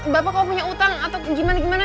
bapak kalau punya utang atau gimana gimana